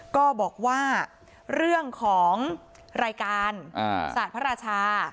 ก็บอกว่าเรื่องของรายการศาสตร์พระราชา